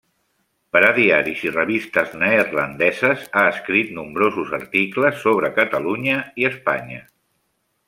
Per a diaris i revistes neerlandeses ha escrit nombrosos articles sobre Catalunya i Espanya.